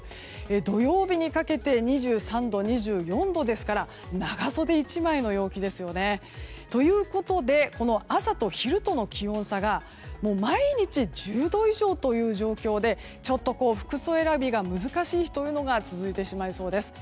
土曜日にかけて２３度、２４度ですから長袖１枚の陽気ですよね。ということで朝と昼との気温差が毎日１０度以上という状況でちょっと服装選びが難しい日が続いてしまいそうです。